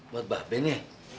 buat mbak ben ya